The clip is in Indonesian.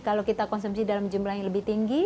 kalau kita konsumsi dalam jumlah yang lebih tinggi